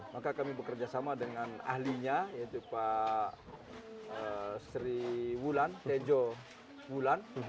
maka kami bekerjasama dengan ahlinya yaitu pak sri wulan tejo wulan